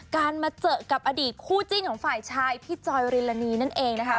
มาเจอกับอดีตคู่จิ้นของฝ่ายชายพี่จอยริลานีนั่นเองนะคะ